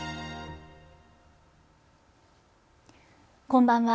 こんばんは。